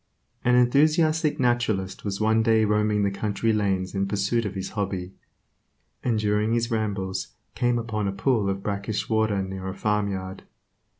An enthusiastic naturalist was one day roaming the country lanes in pursuit of his hobby, and during his rambles came upon a pool of brackish water near a farmyard.